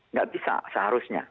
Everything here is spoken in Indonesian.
nggak bisa seharusnya